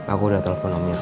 aku udah telpon omnya